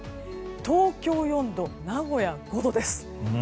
東京４度、名古屋５度です。